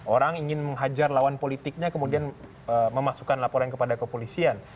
orang ingin menghajar lawan politiknya kemudian memasukkan laporan kepada kepolisian